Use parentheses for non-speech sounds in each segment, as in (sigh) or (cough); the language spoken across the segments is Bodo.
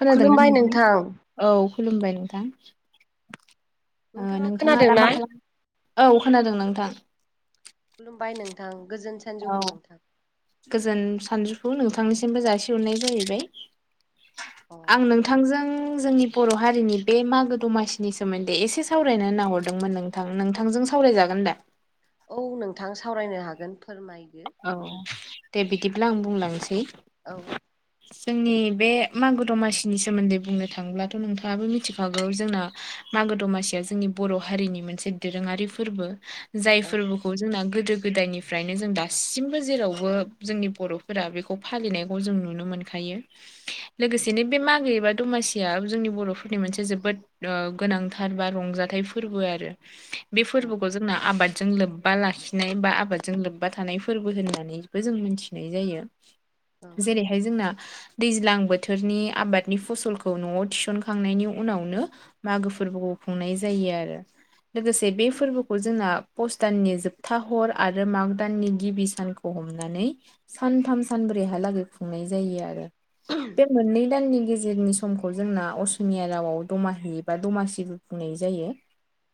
खोनादों ना नोंथां औ खुलुमबाय नोंथां। ओ नोंथाङा खोनादों दा ना? मा खालाम औ खोनादों नोंथां। खुलुमबाय नोंथां गोजोन औ सानजौफु नोंथां गोजोन सानजुफु नोंथांनिसिमबो जासिहरनाय जाहैबाय। अ आं नोंथांजों जोंनि बर' हारिनि बे मागो दमासिनि सोमोन्दै एसे सावरायनो होनना हरदोंमोन नोंथां। नोंथांजों सावरायजागोन दा। औ नोंथां सावरायनो हागोन फोरमाय। औ दे बिदिब्ला आं बुंलांनोसै औ। जोंनि बे मागो दमासिनि सोमोन्दै बुंनो थाङोब्लाथ' नोंथाङाबो मिथिखागौ जोंना मागो दमासियाव जोंनि बर' हारिनि मोनसे दोरोङारि फोरबो। जाय औ फोरबोखौ जोंना गोदो गोदायनिफ्रायनो जों दा सिमबो जेरावबो जोंनि बर'फोरा बेखौ फालिनायखौ जों नुनो मोनखायो। लोग गोसेनो बे मागो एबा दमासिया जोंनि बर'फोरनि मोनसे जोबोद ओ गोनांथार बा रंजाथाइ फोरबो आरो। बे औ फोरबोखौ जोंना आबादजों लोब्बा लाखिनाय बा आबादजों लोब्बा थानाय फोरबो होननानैबो जों मिथिनाय जायो। औ जेरैहाय जोंना दैज्लां बोथोरनि आबादनि फसलखौ न'आव थिसनखांनायनि उनावनो मागो फोरबोखौ खुंनाय जायो आरो। लोगोसे बे फोरबोखौ जोंना पच दाननि जोबथा हर आरो माग दाननि गिबि सानखौ हमनानै सानथाम सानब्रैहालागै खुंनाय जायो आरो। बे मोननै दाननि गेजेरनि समखौ जोंना असमिया रावाव दमाहि बा दमासिबो बुं नाय जायो।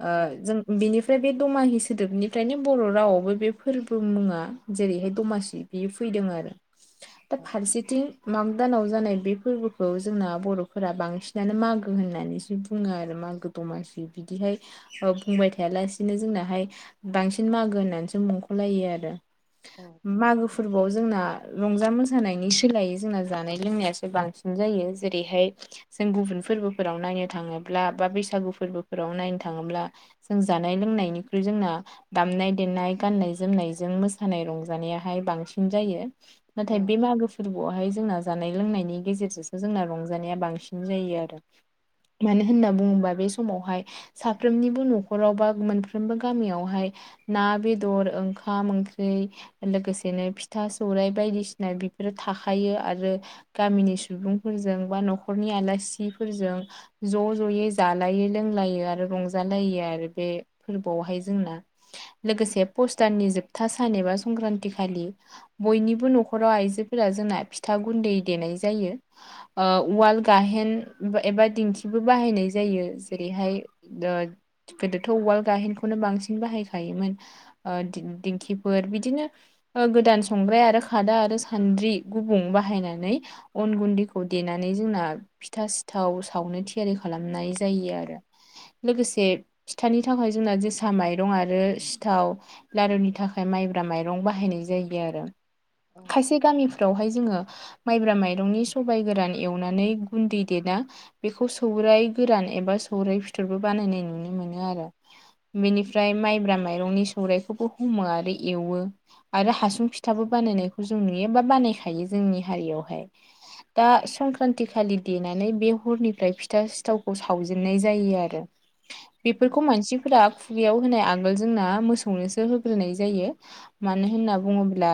ओ औ जों बेनिफ्राय बे दमाहि सोदोबनिफ्रायनो बर' रावआवबो बे फोरबो मुङा जेरैहाय दमासि बियो फैदों आरो। दा फारसेथिं माग दानाव जानाय बे फोरबोखौ जोंना बर'फोरा बांसिनानो मागो होननानैसो बुङो आरो। मागो दमासि बिदिहाय ओ बुंबाय थायालासिनो जोंनाहाय बांसिन मागो होननानैसो मुंख'लायो आरो औ मागो फोरबोयाव जोंना रंजा मोसानायनि सोलायै जोंना जानाय लोंनायासो बांसिन जायो जेरैहाय जों गुबुन फोरबोफोराव नायनो थाङोब्ला बा बैसागु फोरबोफोराव नायनो थाङोब्ला जों जानाय लों नायनिख्रु जोंना दामनाय-देनाय, गान्नाय-जोमनायजों मो सानाय रंजानायाहाय बांसिन जायो। नाथाय बे मागो फोरबोआवहाय जोंना जानाय लोंनायनि गेजेरजोंसो जोंना रंजानाया बांसिन जायो आरो। मानो होनना बुङोबा बे समावहाय साफ्रोमनिबो न'खराव बा मोनफ्रोमबो गामियावहाय ना, बेदर, ओंखाम ओं ख्रै लोगोसेनो फिथा सौराइ बायदिसिना बेफोरो थाखायो आरो गामिनि सुबुंफोरजों बा न'खरनि आलासिफोरजों ज' ज'यै जालायो लोंलायो आ रंजालायो आरो बे फोरबोआवहाय जोंना। लोगोसे पस दाननि जोब था सान एबा संक्रान्ति खालि बयनिबो न'खराव आइजोफोरा जोंना फिथा गुन्दै देनाय जायो उवाल गाहेन एबा दिंखिबो बाहायनाय जायो जेरैहाय ओ गोदोथ' उवाल गाहेनखौनो बांसिन बाहायखायोमोन ओ दिं दिंखिफोर बिदिनो गोदान संग्राय आरो खादा आरो सान्द्रि गुबुं बाहायनानै अन गुन्दैखौ देनानै जोंना फिथा सिथाव सावनो थियारि खालामनाय जायो आरो। लोगोसे फिथानि थाखाय जोंना जोसा माइरं आरो सिथाव लारुनि थाखाय माइब्रा माइरं बाहायनाय जायो आरो। खायसे गामिफ्रावहाय जोङो माइब्रा माइरंनि सबाइ गोरान एवनानै गुन्दै देना बेखौ सौराय गोरान एबा सौराइ फिथरबो बानायनाय नुनो मोनो आरो। बेनिफ्राय माइब्रा माइरंनि सौराइखौबो हमो आरो एवो आरो हासुं फिथाबो बानायनायखौ जों नुयो बा बानायखायो जोंनि हारियाव हाय। दा संक्रान्ति खालि देनानै बे हरनिफ्राय फिथा सिथावखौ सावजेननाय जायो आरो। बेफोरखौ मानसिफोरा खुगायाव होनो आगोल जोंना मोसौनोसो हो ग्रोनाय जायो मानो होनना बुङोब्ला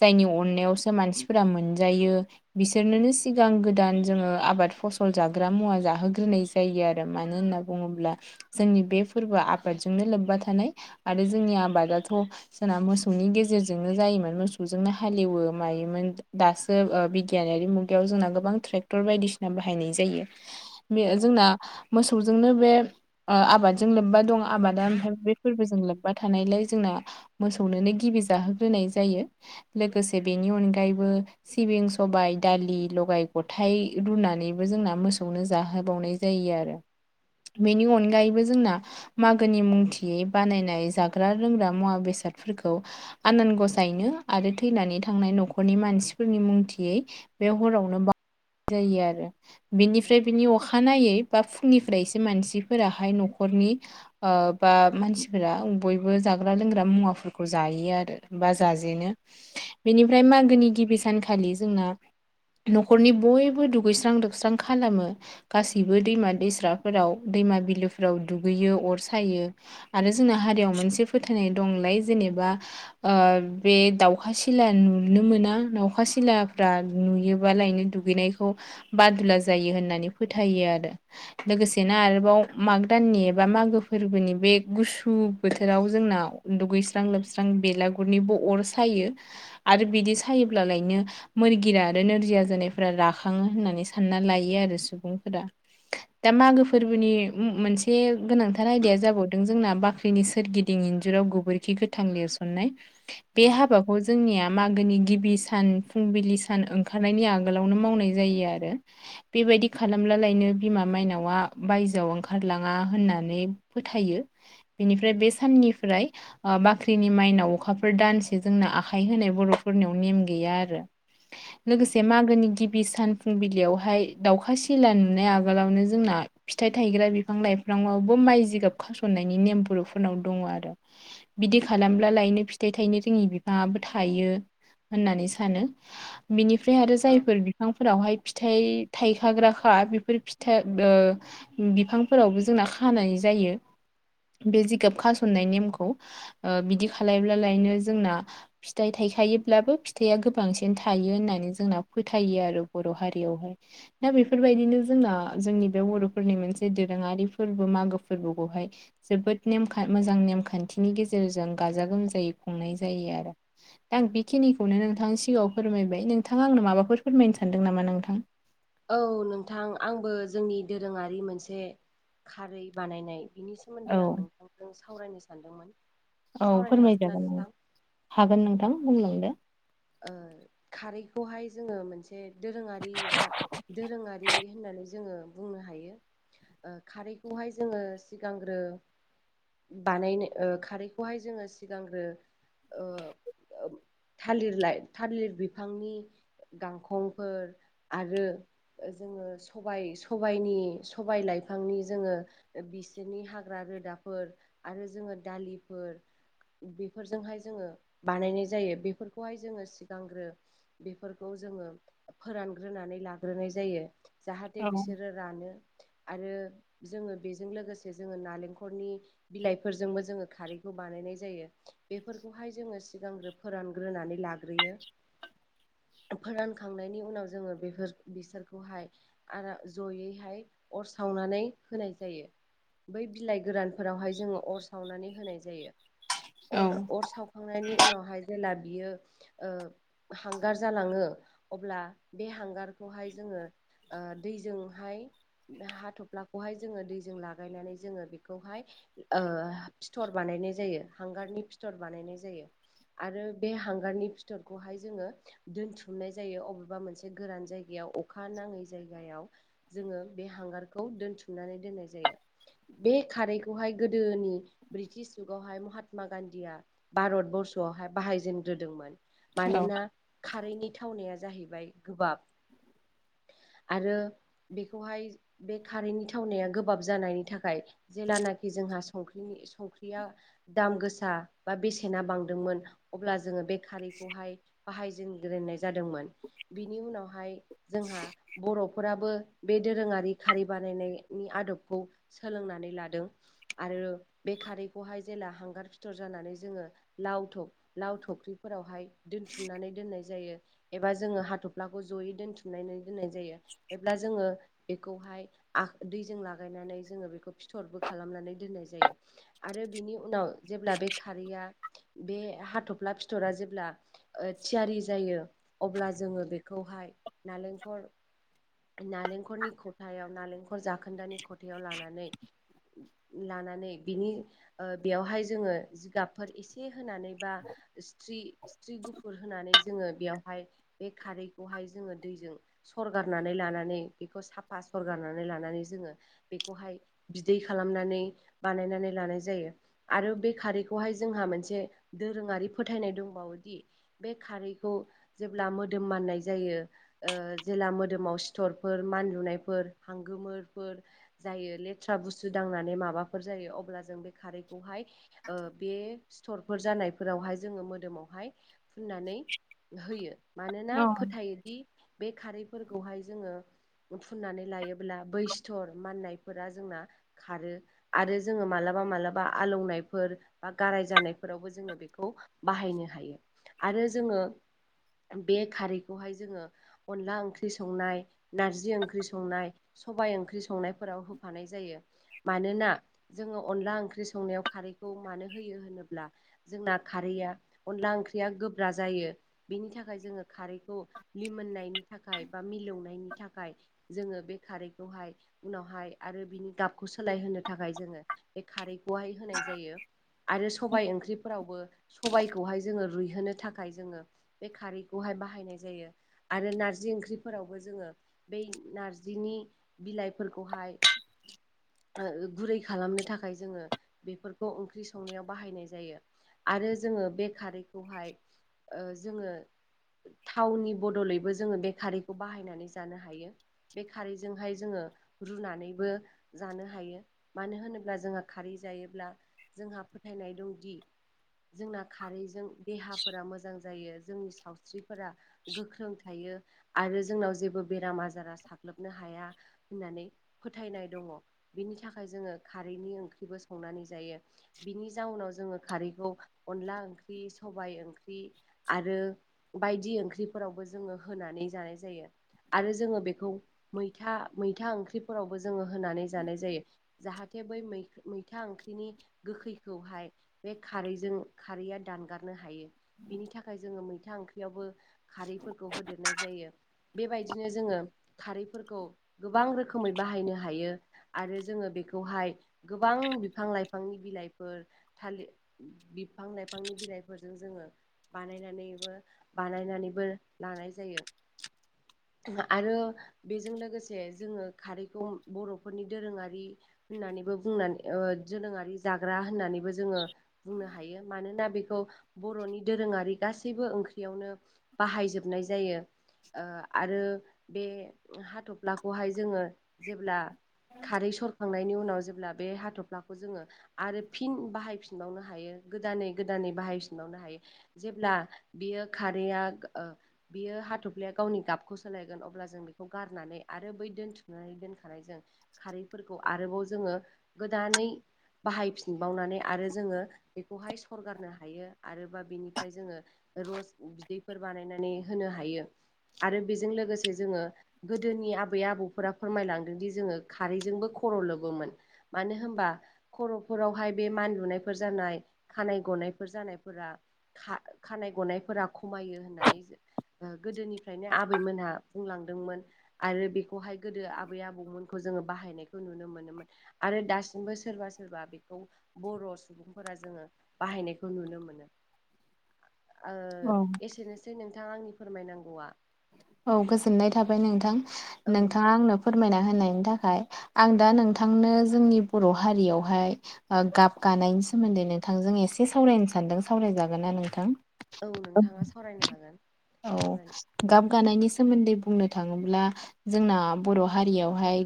जायनि अननायावसो मानसिफोरा मोनजायो। बिसोरनोनो सिगां गोदान जोङो आबाद फसल जाग्रा मुवा जाहोग्रोनाय जायो आरो मा मानो होनना बुङोब्ला जोंनि बे फोरबोआ आबादजोंनो लोब्बा थानाय आरो जोंनि आबादाथ थ जोंना मोसौनि गेजेरजोंनो जायोमोन मोसौजोंनो हालेवो मायोमोन दासो बिगियानारि मुगायाव जोंना गोबां ट्रेक्टर बायदिसिना बाहायनाय जायो बे जोंना मोसौ मोसौजोंनो बे आबादजों लोब्बा दं आबादा ओमफ्राय बे फोरबोजों लोब्बा थानायलाय जोंना मोसौनोनो गिबि जाहोग्रोनाय जायो लोगोसे बेनि अनगायैबो सिबिं स सबाय दालि लगाय गथायाइ रुनानैबो जोंना मोसौनो जाहोबावनाय जायो आरो बेनि अनगायैबो जोंना मागोनि मुंथियै बानायनाय जाग्रा रोंग्रा मुवा बेसादफोरखौ आनान गसायनो आरो थैनानै थांनाय न'खरनि मानसिफोरनि मुंथियै बे हरावनो बाह जायो आरो बिनिफ्राय बिनि अखानायै बा फुंनिफ्राय एसे मानसिफोराहाय न'खरनि ओ बा मानसिफोरा बयबो जाग्रा लोंग्रा मुवाफोरखौ जायो आरो बा जाजेनो बेनिफ्राय मागोनि गिबि सानखालि जोंना आ न'खरनि बयबो दुगैस्रां लोबस्रां खालामो गासिबो दैमा दैस्राफोराव दै दैमा बिलोफ्राव दुगैयो अर सायो आरो जोंना हारियाव मोनसे फोथायनाय दंलाय जेनेबा ओ बे दाउखा सिला नुनो मोना दाउखा सिला नुयोबा लायनो दुगैनायखौ बादुला जायो होननानै फोथायो आरो लोगोसेनो आरोबाव माग दाननि एबा मागो फोरबोनि बे गुसु बोथोराव जोंनाव दुगैस्रां लोबस्रां बेलागुरनिबो अर सायो आरो बिदि सायोब्लालायनो मोरगिरा आरो नोरजिया जानायफोरा राखाङो होननानै सानना लायो आरो सुबुंफोरा। दा मागो फोरबोनि मो-मोनसे गोनांथार आयदाया जाबावदों जोंना बाख्रिनि सोरगिदिं गोबोरखि गोथां लिरसनाय बे औ हाबाखौ जोंनिया मागोनि गिबि सान फुंबिलि सान ओंखारनायनि आगोलावनो मावनाय जायो आरो बे बेबायदि खालामलालायनो बिमा मायनावा बायजोआव ओंखारलाङा होननानै फोथायो बेनिफ्राय बे साननि ओमफ्राय आ बाख्रिनि माइनाव अखाफोर दानसे जोंना आखाइ होनाय बर'फोरनियाव नेम गैया आरो। लोगोसे मागोनि गिबि सान फुंबिलियावहाय दाउखा सिला नुनाय आगोलावनो जोंना फिथाइ थायग्रा बिफां लाइफाङावबो माइ जिगाब खासननायनि नेम बर'फोरनाव दङ आरो बिदि खालामब्ला लायनो फिथाइ थायनो जोंनि बिफाङाबो थायो। होननानै सानो बिनिफ्राय आरो औ जायफोर बिफांफोरावहाय फिथाइ थाइखाग्राखा बेफोर फिथा बो बिफांफोरावबो जोंना खानाय जायो। बे जिगाब खासननाय नेमखौ ओ बिदि खालामलब्लालायनो जोंना फिथाइ थाइखायोब्लाबो फिथाइआ गोबांसिन थायो होननानै जोंना फोथाय आरो बर' हारियावहाय दा बेफोरबायदिनो जोंना जोंनि बे बर'फोरनि मोनसे दोरोङारि फोरबो मागो फोरबोखौहाय जोबोद नेम मोजां नेमखान्थि बिनि गेजेरजों गाजा गोमजायै खुंनाय जायो आरो। दा आं बेखिनिखौनो नोंथां सिगाङाव फोरमायबाय नोंथाङा आंनो माबाफोर फोरमायनो सानदों नामा नोंथां? औ नोंथां आंबो जोंनि दोरोङारि मोनसे खारै बानायनाय बिनि औ सोमोन्दै आं नोंथांजों सावरायनो सानदोंमोन। औ सावरायनो हागोन ना फोरमायजागोन आ नोंथां? हागोन नोंथां बुंलांदो। ओ खारैखौहाय जोङो मोनसे दोरोङारि जा दोरोङारि होननानै जो बुंनो हायो ओ खारैखौहाय जोङो सिगांग्रो बानायनो ओ खारैखौहाय जोङो सिगांग्रो ओ थालिर लाइ थालिर बिफांनि गांखंफोर आरो जोङो सबायनि सबाय लाइफांनि जोङो बिसोरनि हाग्रा रोदाफोर आरो जोङो दालिफोर बेफोरजोंहाय जोङो बानायनाय जायो बेफोर खौहाय जोङो सिगांग्रो बेफोरखौ जोङो फोरानग्रोनानै लाग्रोनाय जायो जाहाथे औ बिसोरो रानो आरो जोङो बेजों लोगोसे जोङो नालेंखरनि बिलाइफोरजोंबो जोङो खारैखौ खौ बानायनाय जायो बेफोरखौहाय जोङो सिगांग्रो फोरानग्रोनानै लाग्रोयो। (inaudible) फोरानखांनायनि उनाव जोङो बेफोर बिसोरखौहाय आरा जयैहाय अर साव सावनानै होनाय जायो। बै बिलाइ गोरानफोरावहाय जोङो अर सावनानै होनाय जायो। औ अर अर सावखांनायनि उनावहाय जेला बियो ओ हांगार जालाङो अब्ला बे हांगारखौहाय जोङो ओ दैजोंहाय बे हाथ'फ्लाखौहाय जोङो दैजों लागायनानै जोङो बेखौहाय ओ फिथर बानाय नाय जायो हांगारनि फिथर बानायनाय जायो आरो बे हांगारनि फिथरखौहाय जोङो दोनथुमनाय जायो अबेबा मोनसे गोरान जायगायाव अखा ना नाङै जायगायाव जोङो बे हांगारखौ दोनथुमनानै दोननाय जायो। बे खारैखौहाय गोदोनि ब्रिटिश जुगावहाय महात्मा गान्धीया भारत बरर्सआवहाय बाहाय जेनग्रोदोंमोन औ मानोना खारैनि थावनाया जाहैबाय गोबाब (inaudible) आरो बेखौहाय बे खारैनि थावनाया गोबाब जानायनि थाखाय जेलानाखि जों जोंहा संख्रि संख्रिया दाम गोसा बा बेसेना बांदोंमोन अब्ला जोङो बे खारैखौहाय बाहायजेनग्रोनाय जादोंमोन बिनि उनावहाय जोंहा बर'फोराबो बे दोरोङारि खारै बानायनायनि आदबखौ सोलोंना नै लादों आरो बे खारैखौहाय जेला हांगार फिथर जानानै जोङो लावथब लाव थख्रिफोरावहाय दोनथुमनानै दोननाय जायो एबा जोङो हाथ'फ्लाखौ जयै दोनथुम नानै दोननाय जायो एब्ला जोङो बेखौहाय आ दैजों लागायनानै जोङो बेखौ फिथरबो खालामनानै दोननाय जायो आर रो बेनि उनाव जेब्ला बे खारैया बे हाथफ्ला फिथरा जेब्ला ओ थि जारि जायो अब्ला जोङो बेखौहाय नालेंखर नालेंखरनि खथायाव नालेंखर जाखोन्दानि खथायाव लानानै लानानै बिनि ओ बेयावहाय जोङो जिगाबफोर एसे होनानै बा सिथ्रि सिथ्रि गुफुर होनानै जोङो बेयावहाय बे खारैखौहाय जोङो दैजों सरगार नानै लानानै बेखौ साफा सरगारनानै लानानै जोङो बेखौहाय बिदै खालामनानै बानायनानै लानाय जायो आरो बे खारैखौहाय जोंहा मोनसे दोरोङारि फोथायनाय दं बावो दि बे खारैखौ जेब्ला मोदोम माननाय जायो ओ जेला मो दोमाव सिथरफोर मान लुनायफोर हांगोमोरफोर जायो लेथ्रा बुस्थु दांनानै मा बाफोर जायो अब्ला जों बे खारैखौहाय ओ बे सिथरफोर जानायफोरावहाय जोङो मोदोमावहाय फुननानै होयो मानोना औ फोथायोदि बे खारै फोरखौहाय जोङो फुननानै लायोब्ला बै स्थिर माननायफोरा जोंना खारो। आरो जोङो मालाबा मालाबा आलौनायफोर बा गाराय जानायफोरावबो जोङो बेखौ बा बाहायनो हायो आरो जोङो बे खारैखौहाय जोङो अनला ओंख्रि ख्रि संनाय नारजि ओंख्रि संनाय सबाइ ओंख्रि संनायफोराव होफानाय जायो। मानोना जोङो अनला ओंख्रि संनायाव खारैखौ मानो होयो होनोब्ला जोंना खारैया अनला ओंख्रि ख्रिया गोब्रा जायो बेनि थाखाय जोङो खारैखौ लिमोननायनि थाखाय बा मिलौनायनि थाखाय जोङो बे खारैखौहाय उनावहाय आरो बिनि गाबखौ सो लायहोनो थाखाय जोङो बे खारैखौहाय होनाय जायो आरो स सबाइ ओंख्रिफोरावबो सबाइखौहाय जोङो रुइहोनो थाखाय जोङो बे खारैखौहाय बाहायनाय जायो आरो ओंख्रिफोरावबो जोङो बै नारजिनि बिलाइफोरखौहाय ओ गुरै खालामनो थाखाय जोङो बेफोरखौ ओंख्रि संनायाव बाहायनाय जायो। आरो जोङो बे खारैखौहाय ओ जोङो थावनि बदलैबो जोङो बे खारैखौ बाहायनानै जानो हायो बे खारैजोंहाय जोङो रुनानैबो। जानो हायो मानो होनोब्ला जोंहा खारै जायोब्ला जोंहा फोथायनाय दंदि जोंना खारैजों देहाफोरा मोजां जायो जोंनि सावस्रि फोरा गोख्रों थायो। आरो जोंनाव जेबो बेराम आजारा साग्लोबनो हाया होननानै फोथायनाय दङ। बिनि थाखाय जोंयो खारैनि ओंख्रिबो संनानै जायो। बिनि जाउनाव जोंयो खारैखौ अनला अनला ओंख्रि सबाय ओंख्रि आरो बायदि ओंख्रिफोरावबो जोंयो होनानै जानाय जायो। आरो जोंयो बेखौ मैथा-मैथा ओंख्रिफोरावबो जोङो होनानै जानाय जायो जाहा बै मैथा ओंख्रिनि गोखैखौहाय बे खारैजों खारैया दानगारनो हायो बिनि थाखाय जोङो मैथा ओंख्रियावबो खारैफोरखौ होदेरनाय जायो। बेबायदिनो जोङो खारैफोरखौ गोबां रोखोमै बाहायनो हायो आरो जों जोङो बेखौहाय गोबां बिफां-लाइफांनि बिलाइफोर थालिर बिफां-लाइफां बिफांनि बिलाइफोरजों जोङो बानायनानैबो-बानायनानैबो लानाय जायो। (inaudible) आरो बेजों लोगोसे जोङो खारैखौ बर'फोरनि दोरोङारि होननानैबो बुंनानै ओ जोलोङारि जाग्रा होननानै जोंयो बुंनो हायो। मानोना बे खौ बर'नि दोरोङारि गासैबो ओंख्रियावनो बाहायजोबनाय जायो। ओ आरो बे हाथ'फ्लाखौहाय जोङो जेब्ला खारै सरखांनायनि उनाव ज ब्ला बे हाथ'फ्लाखौ जोङो आरो फिन बाहायफिनबावनो हायो। गोदानै गोदानै बाहायफिनबावनो हायो। जेब्ला बियो खारैया ओ बियो हाथफ दफ्लाया गावनि गाबखौ सोलायगोन अब्ला जों बेखौ गारनानै आरो बै दोनथुमनानै दोनखानाय जों खारै फोरखौ आरोबाव जोङो गोदानै बाहायफिनबावनानै आरो जोङो बेखौहाय सरगारनो हायो। आरोबा बेनिफ्राय जोङो रस बिदैफोर बानायनानै होनो हायो। आरो बेजों लोगोसे जोङो गोदोनि आबै आबौफोरा फोरमायलांदों दि जोङो खारैजों बो खर' लोबोमोन। मानो होमबा खर'फोरावहाय बे मानलुनायफोर जानाय खानाय गनायफोर जानायफोरा खा-खानाय गनायफोरा खमायो होननानै गोदोनिफ्रायनो आबैमोनहा बुंलांदोंमोन आरो बेखौहाय गोदो आबै आबौमोनखौ जोङो बाहाय बाहायनायखौ नुनो मोनोमोन। आरो दासिमबो सोरबा सोरबा बेखौ बर' सुबुंफोरा जोङो बाहायनायखौ नुनो मोनो। (inaudible) ओ औ एसेनोसै नोंथां आंनि फोरमायनांगौआ। औ गोजोननाय थाबाय नोंथां औ नोंथाङा आंनो फोरमायना होन नायनि थाखाय। आं दा नोंथांनो जोंनि बर' हारियावहाय ओ गाब गानायनि सोमोन्दै नोंथांजों एसे सावरायनो सानदों। सावरायजागोनना नोंथां? (inaudible) औ नोंथाङा सावरायनो हागोन औ सावराय गाब गानायनि सोमोन्दै बुंनो थाङोब्ला जोंना बर' हारियावहाय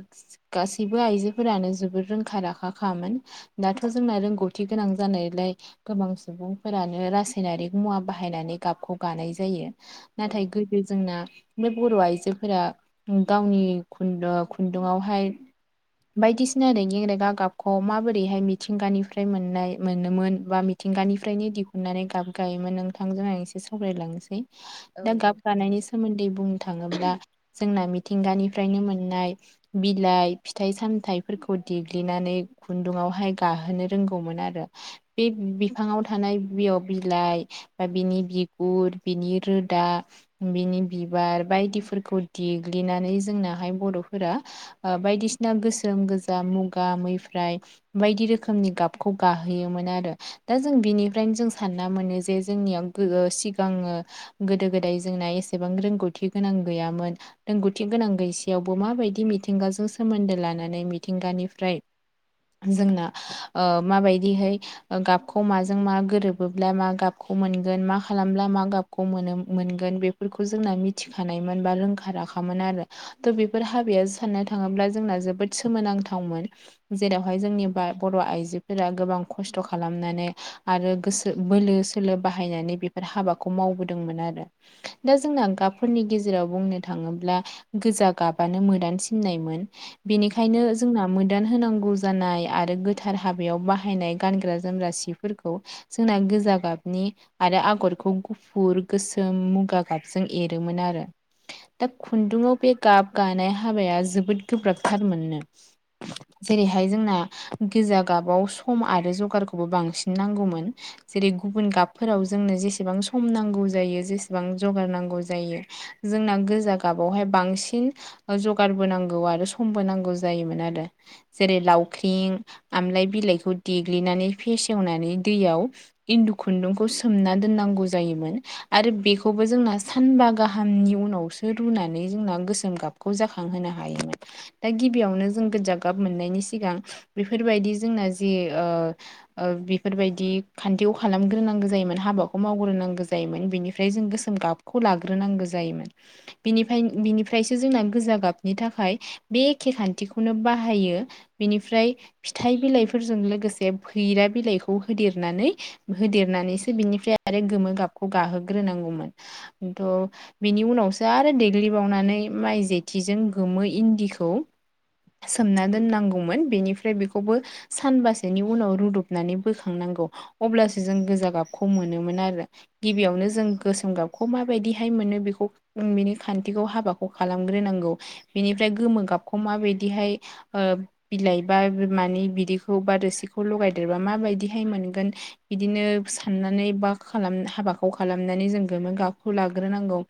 गासैबो आइजो फोरानो जोबोद रोंखा राखाखामोन। दाथ' जोंना रोंगौथि गोनां जानायलाय गोबां सुबुंफोरानो रासायनारिक मुवा बाहायनानै गाबखौ गानाय जायो। औ नाथाय गोदो ना बर' आइजोफोरा गावनि खुन्दु खुन्दुआवहाय बायदिसिना रेगें रेगा गाबखौ माबोरैहाय मिथिंगानिफ्राय मोननाय मोनोमोन बा मिथिंगानिफ्रायनो दिहुननानै गाब गायोमोन नोंथांजों आं एसे सावरायलांनोसै। दा औ गाब नंगौ। गानायनि सोमोन्दै बुंनो थाङोब्ला जों मिथिंगानिफ्रायनो मोननाय बिलाइ फिथाइ-सामथाइफोरखौ देग्लिनानै खुन्दुं आवहाय गाहोनो रोंगौमोन आरो। बे बिफांआव थानाय बिजौ, बिलाइ बिनि बिगुर, बिनि रोदा बिनि बिबार बायदिफोरखौ देग्लिनानै जोंनाहाय बर'फोरा बायदिसिना गोसोम गोजा मुगा मैफ्राय बायदि रोखोमनि गाबखौ गाहोयोमोन आरो। दा जों बिनिफ्रायनो जों सानना मोनो जे जोंनियाव सिगाङो गोदो गोदाय जोंनासेबां रोंगौथि गोनां गैयामोन। रोंगौथि गोनां गैसेयावबो मा बायदि मिथिंगाजों सोमोन्दो लानानै मिथिंगानिफ्राय जोंना ओ माबायदिहाय गाबखौ माजों मा गोरोबोब्ला मा गाबखौ खौ मोनगोन मा खालामब्ला मा गाबखौ मोनो मोनो गोन बेफोरखौ जोंना मिथिखानायमोन बा रोंखा राखामोन आरो त' बेफोर हाबाया साननो थाङोब्ला जों जोबो सोमोनांथावमोन जेरावहाय जोंनि बर' आइजोफोरा गोबां खस्थ' खालाम खालामनानै आरो गोसो बोलो सोलो बाहायनानै बेफोर हाबाखौ मावबोदोंमोन आरो। दा जोंना गाबफोरनि गेजेराव बुंनो थाङोब्ला गोजा गाबानो मोदानसिननायमोन। बेनिखायनो औ जोंना मोदान होनांगौ जानाय आरो गोथार हाबायाव बाहायनाय गानग्रा जोमग्रा सिफोरखौ जोंना गोजान गोजा गाबनि आरो आगरखौ गुफुर गोसोम मुगा गाबजों एरोमोन आरो। दा खुन्दुंआव बे गाब गानाय हाबाया जोबोद गोब्राबथारमोननो। जेरैहाय जोंना गोजा गाबाव सम आरो जगारखौबो बांसिन नांगौमोन। जेरै गुबुन गाबफोराव जोंनो जेसेबां सम नांगौ जायो जेसेबां जगारनांगौ जायो जोंना गोजा गाबावहाय बांसिन जगारबो नांग बो नांगौ आरो समबो नांगौ जायोमोन आरो जेरै लावख्रिं आमलाय बिलाइखौ देग्लि नानै फेसेवनानै दैयाव इन्दु खुन्दुंखौ सोमना दोननांगौ जायोमोन। आरो बेखौबो जोंना सानबा गाहामनि उनावसो रुनानै जोंना गोसोम गाबखौ जाखां होनो हायोमोन दा गिबियावनो जों गोजा गाब मोननायनि सिगां बेफोरबायदि जोंना जे ओ ओ ओ बेफोरबायदि खान्थिखौ खालामग्रोनांगौ जायोमोन हाबाखौ मावग्रोनांगो जायोमोन। बिनिफ्राय जों गोसोम गाबखौ लाग्रोनांगौ जायोमोन बिनि बिनिफ्रायसो जोंना गोजा गाबनि नि थाखाय बे एखे खान्थिखौनो बाहायो बेनिफ्राय फिथाइ बिलाइफोरजों लोगोस से फैरा बिलाइखौ होदेरनानै होदेरनानैसो बिनिफ्राय आरो गोमो गाबखौ गाहोगोन। ग्रोनांगौमोन त' बिनि उनावसो आरो देग्लिबावनानै माइ जेथिजों गोम मो इन्दिखौ सोमना दोननांगौमोन बेनिफ्राय बेखौबो सानबासोनि उनाव रुदबनानै बोखांनां नागौ अब्लासो जों गोजा गाबखौ मोनोमोन आरो गिबियावनो जो जों गोसोम गाबखौ माबायदिहाय मोनो बेखौ बिनि खान्थिखौ हाबाखौ खालामग्रोनांगौ। बिनिफ्राय गोमो गाबखौ माबायदिहाय ओ बिलाइ बा मानि बिदैखौ बा रोसिखौ खौ लगायदेरबा माबायदिहाय मोनगोन बिदिनो साननानै बा खालाम हाबाखौ खालामनानै जों गोमो गाबखौ लाग्रोनांगौ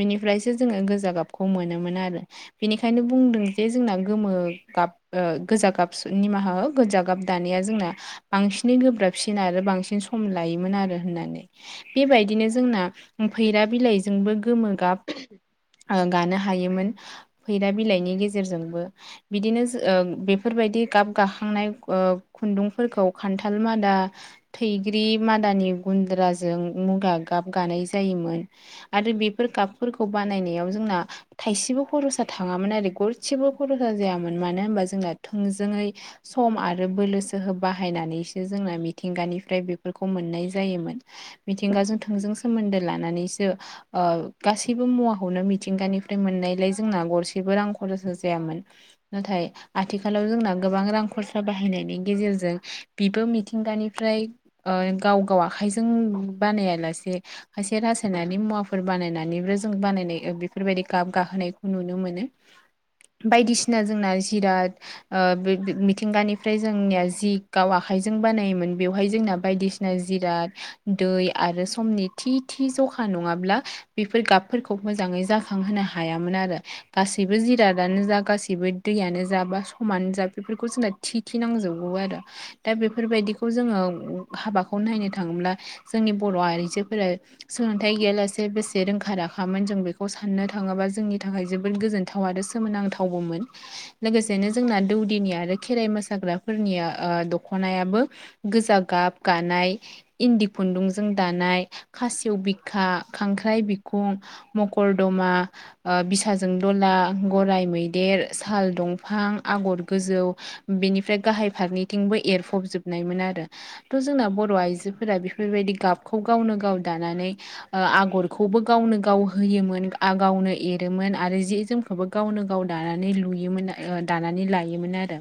बेनिफ्रायसो जोङो गोजा गाबखौ मोनोमोन आरो। बेनिखायनो बुंदों जे जोंना गोमो गाब ओ गोजा गाब निमाहा गोजा गाब दानि जोंना बांसिनै गोब्राबसिन आरो बांसिन सम लायोमोन आरो होननानै बेबायद दिनो जोंना फैरा बिलाइजोंबो गोमो गाब ओ गानो हायो। हायोमोन फैरा बिलाइनि गेजेरजोंबो बिदिनो जो बेफोरबायदि गाब गाखां नाय खुन्दुंफोरखौ खान्थाल मादा थैग्रि मादा गुनद्राजों जों मुगा गाब गानाय जायोमोन आरो बेफोर गाबफोरखौ बानायनायाव जोंना थाइसेबो खर'सा थाङामोन आरो गरसेबो खर'सा जायोन मानो होनबा थोंजोंयै सम आरो बोलो जोहो बाहायनानैसो जोंना मिथिंगानिफ्राय बेफोरखौ मोननाय जायोमोन मिथिंगाजों थोंजों सोमोन्दो लानानैसो ओ गासैबो मुवाखौनो मिथिंगानिफ्राय मोननायलाय जोंना गरसेबो रां खर'सा जायामोन नाथाय आथिखालाव जोंना गोबां रां खरसा बाहायनायनि गेजेरजों बिबो मिथिंगानिफ्राय ओ गाव गाव आखाइजों बानायालासे से खायसे रासायनाारि मुवाफोर बानायनानैबो जों बानायनाय बेफोरबायदि गाब गाखोनायखौ नुनो मो मोनो। बायदिसिना जोंना जिराद ओ मिथिंगानिफ्राय जोंनिया जि गाव आखाइ जों बानायोमोन बेवहाय जोंना बायदिसिना जिराद दै आरो समनि थि थि जखा नङाब्ला बेफोर गाबफोरखौ मोजाङै जाखांहोनो हायामोन आरो। गासैबो जिरादानो जा गासैबो दैयानो जा बा समानो जा बेफोरखौ जोंना थि थि नांजोब गौ आरो दा बेफोरबायदिखौ जोङो हाबाखौ नायनो थाङोब्ला जोंनि बर'आ जो फोरा सोलोंथाइ गैयालासे बेसे रोंखा राखामोन जों बेखौ साननो थाङोबा जोंनि थाखाय जोबोद गोजोनथाव आरो सोमोनांथावबोमोन लोगोसेनो जोंना दौदिनि आरो खेराइ मोसाग्राफोरनि ओ दख'नायाबो गोजा गाब गानाय इन्दि खुन्दुंजों दानाय खासिव बिखा खांख्राइ बिखुं मकरदमा ओ बिसाजों द' गला गाइ मैदेर साल दंफां आगर गोजौ बेनिफ्राय गाहाय फ रनिथिंबो एरफबजोबनायमोन आरो थ' जोंना बर' आइजोफोरा बेफोरबायदि गाबखौ गावनो गाव दानानै ओ आगरखौबो गावनो गाव होयोमोन गावनो एरोमोन आरो आरो जि जोमखौबो गावनो गाव दानानै लुयोमोन दानानै लायोमोन आरो।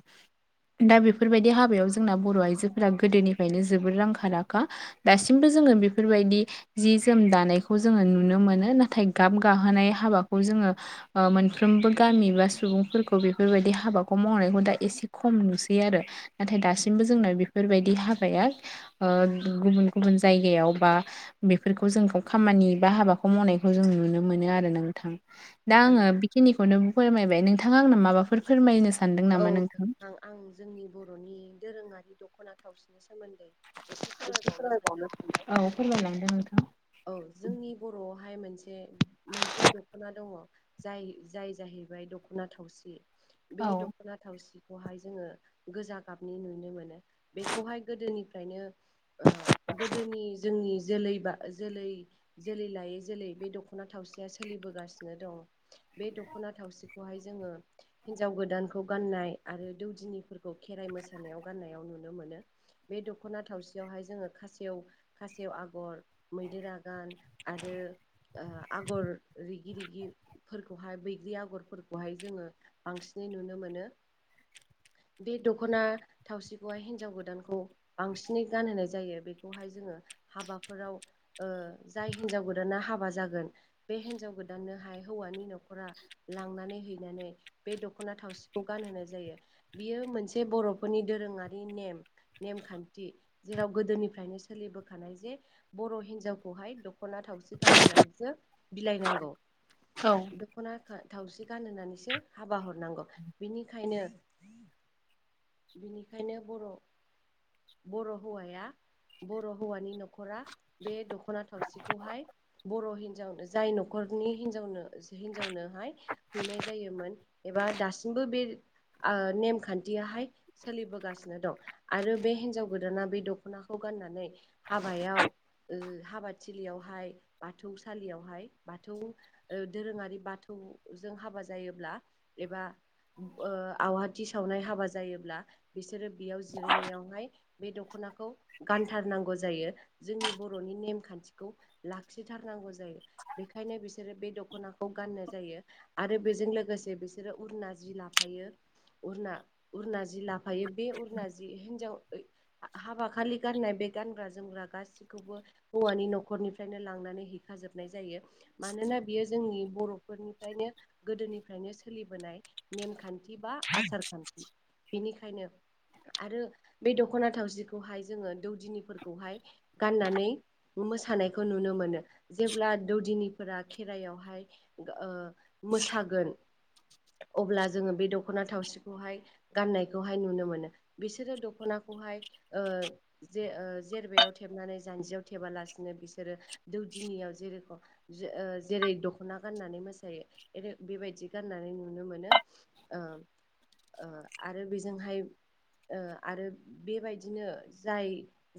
दा बेफोरबायदि हाबायाव जोंना बर' आइजोफोरा गोदोनिफ्रायनो जोबोद राोंखा राखा खा दासिमबो जोङो बेफोर बेफोरबायदि जि जोम दानायखौ जोङो नुनो मोनो नाथाय गाब गाहोनाय हाबाखौ जोङो मोनफ्रोमबो गामि बा सुबुंफोरखौ बेफोरबायदि हाबाखौ मावनायखौ दा एसे खम नुसै आरो। नाथाय दासिमबो जोंना बेफोरबायदि हाबाया ओ गुबुन गुबुन जायगायाव बा बेफोरखौ जों खामानि बा हाबाखौ मावनायखौ जों नुनो मोनो आरो नोंथां। दा औ आङो बेखिनिखौनो फोरमायबाय नोंथाङा आंनो माबाफोर फोरमायनो सा औ आ आं जोंनि बर'नि दोरोङारि दख'ना थावसिनि सो औ फोरमायलांदो नोंथां। औ जोंनि बर' बेहाय मोनसे मोनसे दख'ना दङ जाय जाय जाहैबाय दख'ना थावसि। बे औ दखना थावसि खौहाय जोङो गोजा गाबनि नुनो मोनो बेखौहाय गोदोनिफ्रायनो ओ गोदोनि जोंनि जोलै बा जोलै जोलै लायै जोलै बे दख'ना थावसिया सोलिबोगासिनो दं बे दख' ना थावसिखौहाय जोङो हिनजाव गोदानखौ गाननाय आरो दौदिनिफोरखौ खेराइ मोसानायाव गाननायाव नुनो मोनो बे दख'ना थावसियावहाय जोङो खासेव खासेव आगर मैदेर आगान आरो ओ आगर रिगि रिगिफोरखौहाय बैग ग्रि आगरफोरखौहाय जोङो बांसिनै नुनो मोनो। (inaudible) बे दख'ना थावसिखौहाय हिनजाव गोदानखौ बांसिनै गानहोनाय जायो बेखौहाय जोङो हाबाफोराव ओ जाय हिन्जाव गोदाना हाबा जागोन बे हिनजाव गोदाननोहाय हौवानि न'खरा लांनानै हैनानै बे दख'ना थावसिखौ गानहोनाय जायो बियो मोनसे बर'फोरनि दोरोङारि नेम नेमखान्थि जेराव गोदोनिफ्रायनो सोलिबोखानाय जे बर' हिनजावखौहाय दख'ना थावसि गानहोनानैसो बिलाइनांगौ। औ दखना थावसि गानहोनानैसो हाबा हरनांगौ बिनिखायनो बिनिखायनो बर' बर' हौवाया बर' हौवानि न'खरा बे दख'ना थावसिखौहाय बर' हिनजावनो जाय न'खर खरनि हिनजावनो हिनजावनोहाय हैनाय जायोमोन एबा दासिमबो बे ओ नेमखान्थियाहाय सोलिबोगासिनो दं आरो बे हिनजाव गोदाना बे दख'नाखौ गाननानै हाबायाव ओ हाबादथिलियावहाय बाथौसालियावहाय बाथौ दोरोङारि बाथ जों हाबा जायोब्ला एबा ओ आवहााथि सावनाय हाबा जायो ल्बा बिसोरो बेयाव जिरायनायावहाय बे दख'नाखौ गानथारनांगौ जायो जों नि बर'नि नेमखान्थिखौ लाखिथारनांगौ जायो बेनिखायनो बिसोरो बे द ख'नाखौ गाननाय जायो आरो बेजों लोगोसे बिसोरो उरना जि लाफायो। उरना उरना जि लाफायो बे उरना जि हिन्जाव (unintelligible) हाबा खालि गाननाय बे गानग्रा जोमग्रा गासैखौबो हौवानि न'खरनिफ्रायनो लांनानै है खाजोबनाय जायो मानोना बियो जोंनि बर'फोरनिफ्रायनो गोदोनिफ्रायनो सोलिबोनाय नेमखान बा आसारखान्थि बेनिखायनो आरो बे दख'ना थावस्रिखौहाय जोङो दौदिनिफोरखौहाय गाननानै मोसानायखौ नुनो मोनो जेब्ला दौदिनिफोरा खेरायावहाय ओ मो सागोन अब्ला जोङो बे दख'ना थावसिखौहाय गाननायखौहाय नुनो मोनो बिसोरो दख'नाखौहाय ओ जे जेरबायाव थे नानै जानजियाव थेबालासेनो बिसोरो दौदिनियाव जेरै ओ जेरै दखना गा नानै मोसायो बेबायदि गाननानै नुनो मोनो ओ ओ आरो बेजोंहाय ओ आरो बेबायदिनो जाय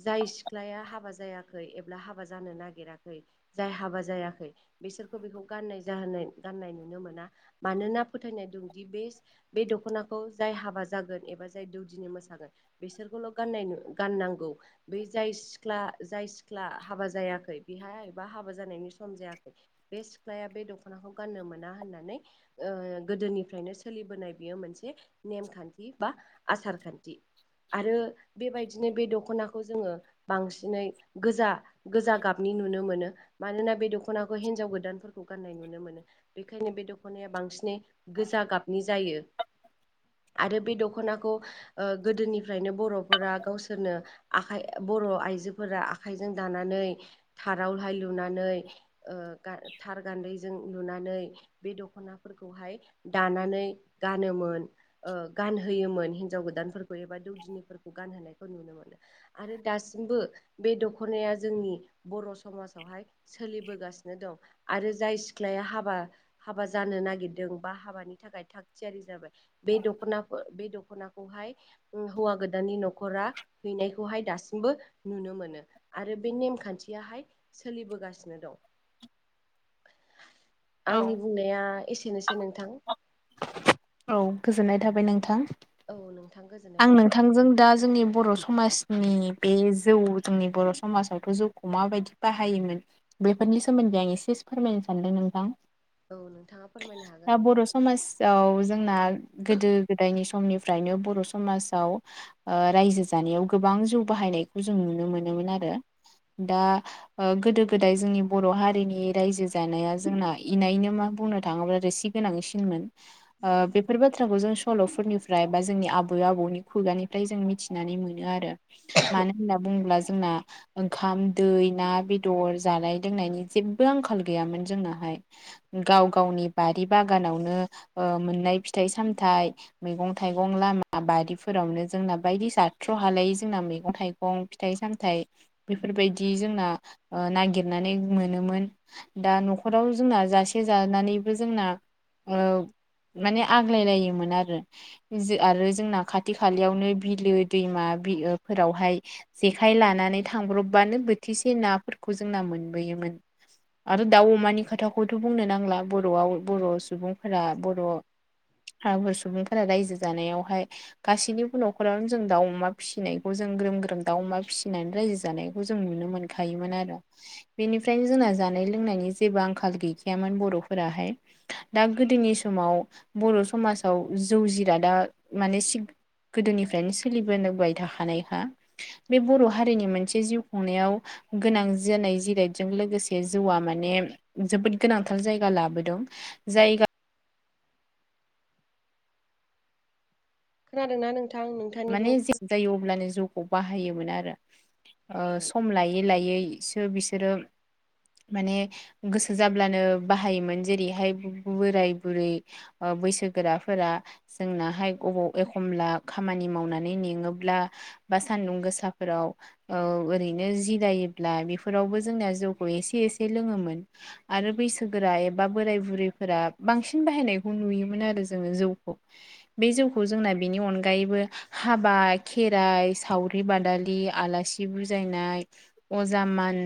जाय सिख्लाया हाबा ज जायाखै एब्ला हाबा जानो नागिराखै जाय हाबा जायाखै बिसोरखौ बेखौ गाननाय जाहो गाननाय नुनो मोना मानोना फोथायनाय दंदि बे बे दख'नाखौ जाय हाबा जागोन एबा जाय दौदिनि मोसागोन बिसोरखौल' गाननाय गाननांगौ बै जाय सिख्ला जाय सिख्ला हाबा जायाखै बिहा एबा हाबा जानायनि सम जायाखै बे सिख्लाया बे दख'नाखौ गाननो मोना होननानै ओ ओ गोदोनिफ्रायनो सोलिबोनाय बियो मोनसे नेमखान्थि बा आसार खान्थि आरो बेबायदि बिदिनो बे दख'नाखौ जोङो बांसिनै गोजा गोजा गाबनि नुनो मोनो मानोना बे दख'नाखौ हिनजाव गोदानफोरखौ गाननाय नुनो मोनो बेखायनो बे दख'नाया बांसिनै गो जा गाबनि जायो (unintelligible) आरो बे दख'नाखौ ओ गोदोनिफ्रायनो बर'फोरा गावसोरनो आखाय ब र' आइजोफोरा आखाइजों दानानै थारावहाय लुनानै ओ ग गान्दैजों लुनानै बे दख'नाफोरखौहाय दानानै गानोमोन ओ गानहोयोमोन हिन्जाव गोदानफोरखौ एबा दौदिनिफोरखौ गानहोनाय खौ नुनो मोनो आरो दासिमबो बे दख'नाया जोंनि बर' समाजावहाय सोलिबोगासिनो दं आरो जाय सिख्लाया हाबा हाबा जानो नागिरदों बा हाबानि थाखाय थागथियारि जाबाय बे दखना बे दख'नाखौहाय हौवा गोदाननि न'खरा हैनायखौहाय दासिम बो नुनो मोनो आरो बे नेमखान्थियाहाय सोलिबोगासिनो दं (inaudible) आंनि बुंनाया एसेनोसै नोंथां औ गोजोननाय थाबाय नोंथां औ नोंथां गोजोननाय आं थाबाय नोंथांजों दा जोंनि बर' समाज नि बे जौ जोंनि बर' समाजावथ' जौखौ माबायदि बाहायोमोन बेफोरनि सोमोन दै आं एसे फोरमायनो सानदों नोंथां औ नोंथाङा फोरमायनो हागोन दा बर' समाजाव जोंना गोदो गोदायनि समनिफ्रायनो बर' समाजाव ओ रायजो जानायाव गोबां गोबां जौ बाहायनायखौ जों नुनो मोनोमोन आरो दा ओ गोदो गोदाय जोंनि बर' हारिनि रायजो जानाया जोंना इनायनो मा बुंनो थाङोब्ला रोसि गोनांसिनमोन ओ बेफोर बाथ्राखौ जों सल'फोरनिफ्राय बा जोंनि आबै आबौनि खुगानिफ्राय जों मिथिनानै मोनो आरो मानो होनना बुङोब्ला जोंना ओंखाम दै ना बेदर जानाय लोंनायनि जेबो आंखाल गैयामोन जोंनाहाय गाव गावनि बारि बागानावनो ओ मोननाय फिथाइ सामथाइ मैगं थाइगं लामा बारिफोरावनो जोंना बायदि जाथ्र' हालायि जोंना मैगं थाइगं फिथाइ सामथाइ बेफोरबायदि जोंना ओ निगिरनानै मोनोमोन दा न'खराव जोंना जासे जानानैबो जोंना ओ माने आग्लाय लायोमोन आरो आरो जोंना खाथि खालयावनो बिलो दैमा (unintelligible) फोरावहाय जेखाय लानानै थांब्रबबानो बोथिसे नाफोरखौ जोंना मोनबोयोमोन आरो औ दाउ अमानि खोथाखौथ' बुंनो नांला बर'आव बर' सुबुंफोरा बर' बर हाफोर सुबुंफोरा रायजो जानायावहाय गासैनिबो न'खरावनो जों दाउ अमा फिसिनायखौ जों ग्रोम ग्रोम दाउ अमा फिसिनानै रायजो जानायखौ जों नुनो मोनखायोमोन आरो बेनिफ्रायनो जों जा जानाय लोंनायनि जेबो आंखाल गैखायामोन बर' फोराहाय दा गोदोनि सोम समाव बर' समाजाव जौ जिरादा माने सि गोदोनिफ्रायनो सोलिबोनबाय थाखानायखा बे बर' हारिनि मोनसे जिउ खुंनायाव गोनां जानाय जिरायजों लोगोसे जौआ माने जोबोद गोनांथार जायगा लाबोदों। जायगा। खोनादों ना नोंथां? नोंथांनिखौ माने जे जायो अब्लानो जौखौ बाहायोमोन आरो औ सम लायै लायै बिसोर बिसोरो माने गोसो जाब्लानो बाहायोमोन जेरैहाय बोराय बुरै ओ बैसोगोराफोरा जोंनाहाय बबाव एखमब्ला खामानि मावनानै मेङोब्ला बा सान्दुं गोसाफोराव ओरैनो जिराय बेफोरावबो जोंनिया जौखौ एसे एसे लोङोमोन आरो बैसोगोरा एबा बोराय बुरै बांसिन बाहायनायखौ नुयोमोन आरो जोङो जौखौ बे जौखौ जोंना बेनि अनगा अनगायैबो हाबा खेराइ सावरि बादालि आलासि बुजायनाय अजा मान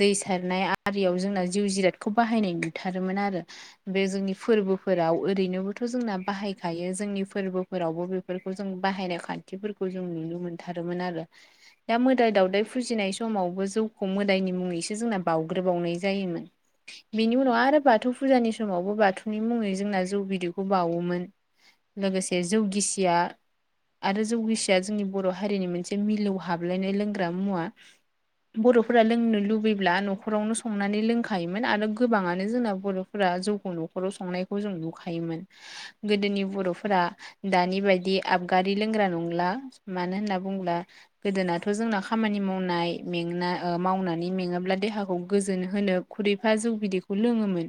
दै सारनाय आरियाव जोंना जिउ जिरादखौ बाहायनाय नुथारोमोन आरो। बे जोंनि फोरबोफोराव ओरैनोबोथ' जोंना बाहायखायो जोंनि फोरबोफोरावबो बेफोर जों बाहायनाय खान्थिफोरखौ जों नुनो मोनथारोमोन आरो दा मोदाय दावउदाय फुजिनाय समाव बो जौखौ मोदायनि मुङैसो जोंना बावउग्रोबावनाय जायोमोन। बिनि उनाव आरो बाथौ फुजानि स समावबो धोरोमावबो बाथौनि मुङै जोंना जौ बिदैखौ बावोमोन लोगोसे जौ गिसिया आरो जौगेसिया जोंनि बर' हारिनि मोनसे मिलौ हाबलायनाय लोंग्रा मुवा बर'फोरा लोंनो लुबैब्ला न'खरावनो संनानै लोंखायोमोन आरो गोबाङानो जोंना बर'फोरा जौखौ न'खराव संनायखौ जों नुखायोमोन गोदोनि बर'फोरा दानि बायदि आबगारि लोंग्रा नंला मानो होनना बुङोब्ला गोदोनाथ' जोंना खामानि मावनाय में मावनानै मेङोब्ला देहाखौ गोजोन होनो खुरैफा जौ बिदैखौ लोङोमोन।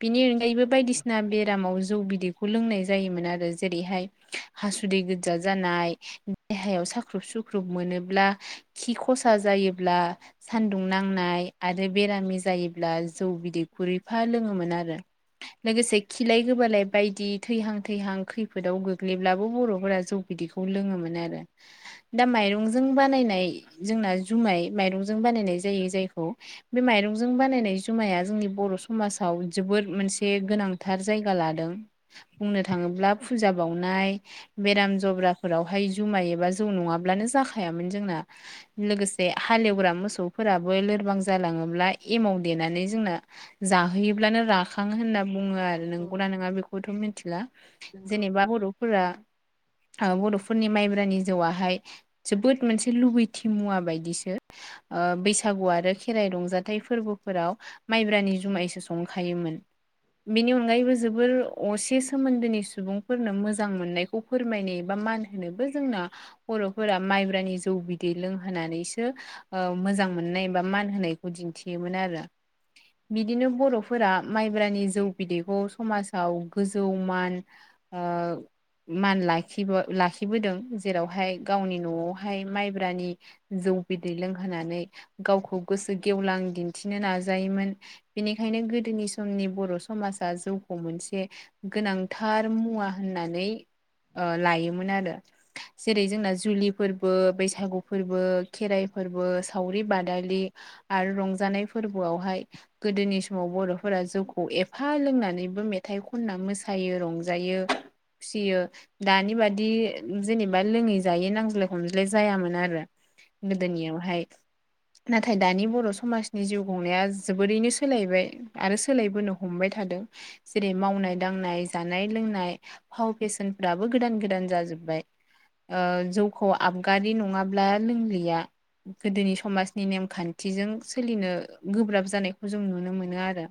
बिनि अनगायैबो बायदिसिना बेरामाव जौ बिदैखौ लोंनाय जायोमोन आरो जेरैहाय। हासुदै गोजा जानाय देहायाव साख्रुब सुख्रुब मोनोब्ला खि खसा जा जायोब्ला सानदुं नांनाय आरो बेरामि जायोब्ला जौ बिदैखौ एफा लोङो लोगोसे खिलाय गोबालाय बायदि थैहां थैहां खैफोदाव गोग्लै ब्लाबो बर'फोरा जौ बिदखौ लोङोमोन आरो दा माइरंजों बानायनाय जोंना। जुम माइरजों बानायनाय जायो जायखौ बे माइरंजों बानायनाय जुमाया जोंनि बर' समाज आव जोबोद मोनसे गोनांथार जायगा लादों बुंनो थाङोब्ला फुजा बावनाय। बेराम जब्राफोरावहाय जुमाय एबा जौ नङाब्लानो जाखायामोन जोंना। लोगोसे से हालेवग्रा मोसौफोराबो लोरबां जालाङोब्ला एमाव देनानै जोंना जाहोयो। अब्लानो राखङो होनना बुङो आरो नोंगौना नङा बेखौथ' मिथिला जेनेबा (inaudible) औ। बर'फोरनि माइब्रानि जौआाहाय जोबोद मोनसे लुबैथि मुवा बायदिसो। बैसागु आरो खेराइ रंजाथाइ फोरबोफोराव माइब्रानि जुमायसो संखायोमोन। बेनि अनगायैबो जोबोर असे सोमोन्दोनि सुबुंफोरनो मोज मोजां मोननायखौ फोरमायनो एबा मान होनोबो जोंना बर'फोरा माइब्रानि जौ बिदै लोंहोनां नानैसो मोजां मोननाय बा मान होनायखौ दिन्थियोमोन आरो। बिदिनो बर'फोरा माइब्रानि जौ बिदैखौ समाजाव गोजौ मान ओ मान लाखि लाखिबोदों जेरावहाय गावनि न'आवहाय माइब्रानि जौ बिदै लोंहोनानै गावखौ गोसो गेवलां दिन्थिनो नाजायोमोन बेनिखायनो गोदोनि समनि बर' समाजा जौखौ मोनसे गोनांथार मुवा होननानै ओ लायोमोन आरो जेरै जोंना जुलि फोरबो बैसागु फोरबो खेराइ फोरबो सावरि बादालि आरो रंजानाय फोरबोआवहाय गोदोनि समाव बर'फोरा जौखौ एफा लोंनानैबो मेथाइ खनना मोसायो रंजायो फिसियो दानि बादि जेनेबा लोङै जायै नांज्लाय खमज्लाय जायामोन आरो। औ गोदोनियावहाय नाथाय दानि बर' समाजनि जिउ खुंनाया जोबोरैनो सोलायबाय आरो सोलायबोनो हमबाय थादों। जेरै मावनाय दांनाय जानाय लोंनाय फाव बेेसेनफ्राबो गोदान गोदान जाजोबबाय जौखौ आबगारि नङाब्ला लोंलिया गोदोनि समाजनि नेमखान्थिजों सोलिनो गोब्राब जानायखौ जों नुनो मोनो आरो।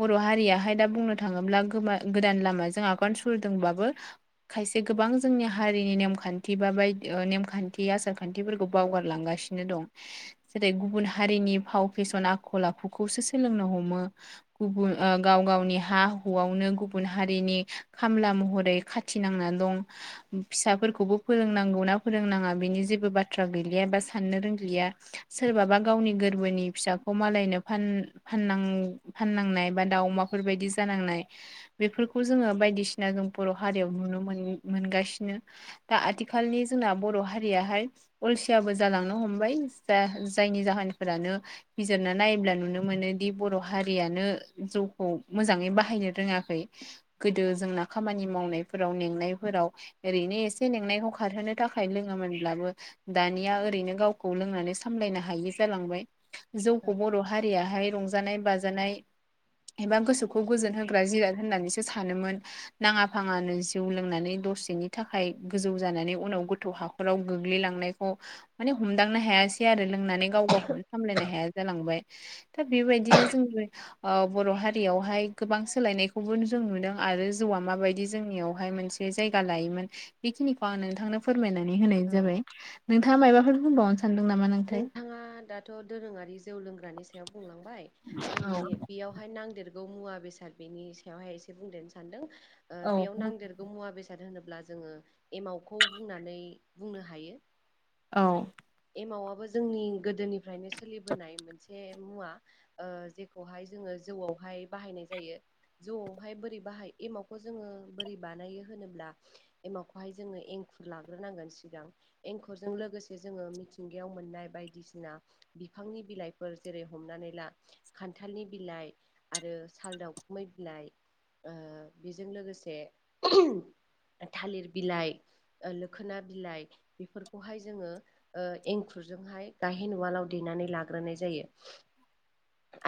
बर' हारियाहाय दा बुंनो थाङोब्ला गोदान लामाजों आगान सुरदोंबाबो खायसे गोबां जोंनि हारिनि नेमखान्थि बा बायदि नेमखान्थि आसारखान्थिफोरखौ बावगारलांगासिनो दं। जेरै, गुबुन हारिनि फाव फेसन आखल आखुखौसो सोलोंनो हमो गुबुन गाव गावनि हा हुआवनो गुबुन हारिनि खामला महरै खाथिनांना दं फिसाफोरखौबो फोरोंनांगौना फोरोंनाङा बेनि ज जेबो बाथ्रा गैलिया बा साननो रोंलिया। सोरबाबा गावनि गोरबोनि फिसाखौ मालायनो फान फाननांनाय बा दाउ अमाफोर बायदि जानांनाय बेफोरखौ जोंङो बायदि बायदिसिना जों बर' हारियाव नुनो मोनगासिनो दा आथिखालनि जोंना बर' हारियाहाय अलसियाबो जालांनो हमबाय जायनि जाहानिफोरानो बिजिरना नायोब्ला नुनो मोनो मोनो दि बर' हारियानो जौखौ मोजाङै बाहायनो रोङाखै। गोदो जोंना खामानि मावनायफोराव मेंनायफोराव ओरैनो एसे मेंनायखौ खारहोनो थाखाय लोङोमोनब्लाबो दानिया ओरैनो गावखौ लोंनानै सामलायनो हायि जालांबाय। जौखौ बर' हारियाहाय रंजानाय बाजानाय एबा गोसोखौ गोजोन होग्रा जिराद होननानैसो सानोमोन नाङा फाङानो जिउ लोंनानै दसेनि थाखाय गोजौ जानानै उनाव गोथ' हाखराव गो गोगलै लांनायखौ माने हमदांनो हायासै आरो लोंनानै गाव गावखौनो सामलायनो हायासै जालांबाय दा बेबायदिनो जोंनि बर' हारियावहाय गोबां सोलायनायखौबो जों नुदों आरो जौआ माबायदि जोंनियावहाय मोनसे जायगा लायोमोन बेनिखौ आं नोंथांनो फोरमायनानै होनाय औ जाबाय नोंथाङा मायबाफोर बुंबावनो स नोंथाङा दाथ' दोरोङारि जौ लोंग्रानि सायाव बुंलांबाय आं औ बिनि बेयावहाय नांदेरगौ मुवा बेसाद बेनि सायावहाय इसे बुंनो सानदों बेयावहाय औ नांदेरगौ मुवा बेसाद होनोबा अब्ला जोङो एमावखौ बुंनानै बुंनो हायो। औ, एमावाबो जोंनि गोदोनिफ्रायनो सोलिबोनाय मोनसे (inaudible) जोंहा ओ जेखौहाय जोङो जौआवहाय बाहायनाय जायो जौआवहाय बोरै बाहाय बेखौ जोङो बोरै बानायो होनोब्ला एमावखौहाय जोङो एंखुर लाग्रोनांगोन सिगां एंखरजों लोगोसे जोङो मिथिंगायाव मोननाय बायदिसिना बिफांनि बिलाइफोर जेरै हमनानै ला खानथ खान्थालनि बिलाइ आरो साल दावखुमै बिलाइ ओ, बेजों लोगोसे थालिर बिलाइ लोखोना बिलाइ बेफोरखौहाय जोङो। ओ एंखुरजोंहाय गाहेन उालाव देनानै लाग्रोनाय जायो।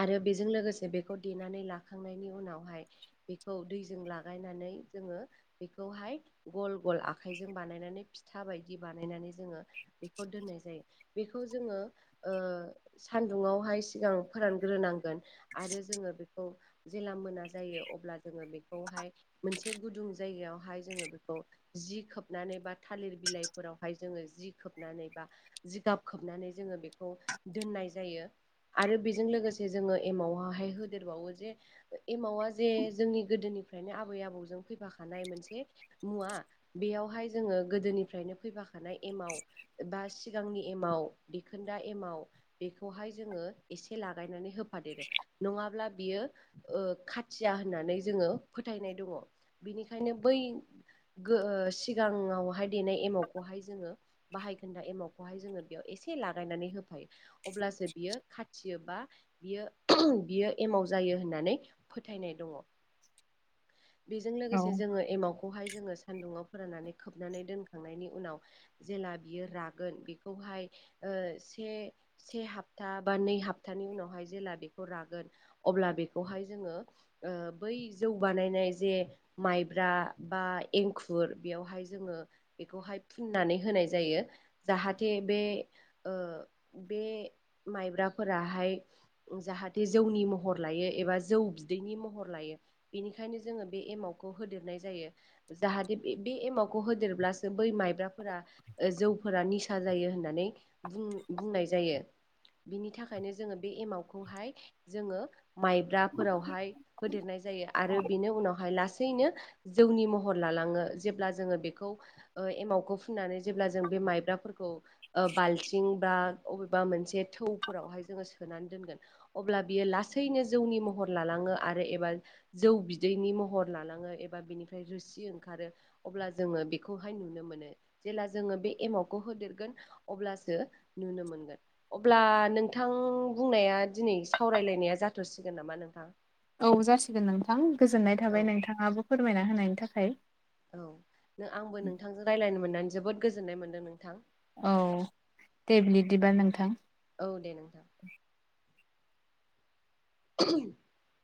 आरो बेजों लोगोसे बेखौ देनानै लाखांनायनि उनावहाय बेखौ दैजों लागायना नै जोंङो बेखौहाय गल- गल आखाइजों बानायनानै फिथा बायदि बानायनानै जोङो। बेखौ दोननाय जायो। बेखौ जोङो ओ सान्दुङावहाय सिगां फोरानग्रोना- आरो जोंङो बेखौ जेला मोना जायो अब्ला जोंङो बेखौहाय मोनसे गुदुं जायगायावहाय जोङो बेखौ जि खोबनानै बा थालिर बिलाइफोरावहाय जोङो जि खोबनानै बा जिगाब खोबनानै जोङो बेखौ दोननाय जायो। आरो बेजों लोगोसे जोङो एमावाहाय होदेरबावो जे एमावा जे जोंनि गोदोनि फ्रायनो आबै आबौजों फैफाखानाय मोनसे मुवा बेयावहाय जोङो गोदोनिफ्रायनो फै खानाय एमाव बा सिगांनि एमाव देखोनदा एमाव बे खौहाय जोङो एसे लागायनानै होफादेरो नङाब्ला बियो ओ खाथिया होननानै जोङो फोथायनाय दङ बिनिखायनो बै गो ओ सिगाङावहाय देनाय एमावखौहाय जोङो बाहायखोन्दा एमावखौहाय जोङो बेयाव एसे लागायनानै होफायो अब्लासो बियो खाथि यो बा बियो बियो एमाव जायो होननानै फोथायनाय दङ बेजों औ लोगोसे जोङो एमावखौहाय जोङो सानदुंङाव फोराननानै खोबनानै दोनखांनायनि उनाव जेला बियो रागोन बिखौहाय ओ से से हप्ता बा नै हप्तानि उनावहाय जेला बेखौ रागोन अ अब्ला बेखौहाय जोंङो ओ बै जौ बानायनाय जे माइब्रा बा एंखुर बेयावहाय जोङो बेखौहाय फुननानै होनाय जायो जाहाथे बे ओ बे माइब्राफोराहाय जाहाथे जौनि महर लायो एबा जौ बिदैनि महर लायो बेनिखायनो जोङो बे एमावखौ होदेरनाय जायो जाहाथे बे बे एमावखौ होदेरब्लासो बै माइब्राफोरा जौफोरा निसा जायो होननानै बुं-बुंनाय जायो बिनि थाखायनो जोङो बे एमावखौहाय जोङो माइब्राफोरावहाय होदेरनाय जायो आरो बेनो उनावहाय लासैनो जौनि महर लालाङो जे जोङो बे एमावखौ फुननानै जेब्ला जों बे माइब्राफोरखौ बालथिं बा अबेबा मोनसे थौफोरावहाय जोङो सोनानै दोनगोन अब्ला बियो लासैनो जौनि महर लालाङो आरो एबा जौ बि दैनि महर लालांङो एबा बिनिफ्राय रोसि ओंखारो अब्ला जोङो बेखौहाय नुनो मोनो जेब्ला जोङो बे एमाउखौ होदेरगोन अब्लासो नुनो मोनगोन अब्ला नोंथां बुंनाया दिनै सावरायलायनाया जाथ'सिगोन नामा नोंथां औ जासिगोन नोंथां गोजोननाय औ थाबाय नोंथाङाबो फोरमायना होनायनि थाखाय औ आंबो नोंथांजों रायज्लायनो मोननानै जोबोद गोजोननाय मोनदों नोंथां औ दे ब्लिदिबा नोंथां औ दे नोंथां (unintelligible)